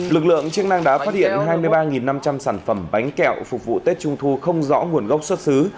lực lượng chức năng đã phát hiện hai mươi ba năm trăm linh sản phẩm bánh kẹo phục vụ tết trung thu không rõ nguồn gốc xuất xứ